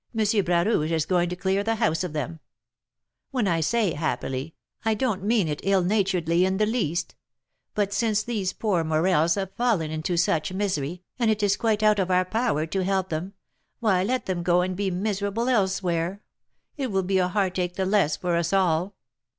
Bras Rouge is going to clear the house of them, when I say happily, I don't mean it ill naturedly in the least; but since these poor Morels have fallen into such misery, and it is quite out of our power to help them, why let them go and be miserable elsewhere; it will be a heartache the less for us all."